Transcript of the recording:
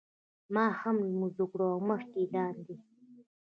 ما هم لمونځ وکړ او مخکې لاندې.